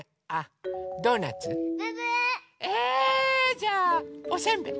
じゃあおせんべい！